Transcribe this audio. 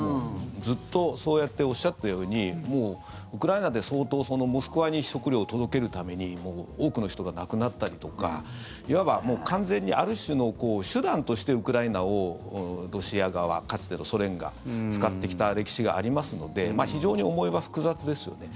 ずっと、そうやっておっしゃったようにもう、ウクライナで相当モスクワに食糧を届けるために多くの人が亡くなったりとかいわば完全にある種の手段としてウクライナをロシア側、かつてのソ連が使ってきた歴史がありますので非常に思いは複雑ですよね。